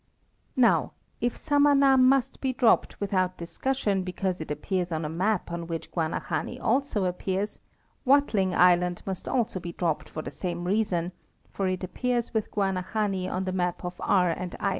Now, if Samané must be dropped without discussion because it appears on a map on which Guanahani also appears, Watling island must also be dropped for the same reason, for it appears with Guanahani on the map of R. and I.